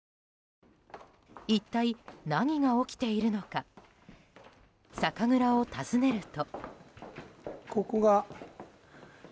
一体何が起きているのか酒蔵を訪ねると。